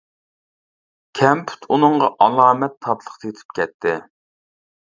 كەمپۈت ئۇنىڭغا ئالامەت تاتلىق تېتىپ كەتتى.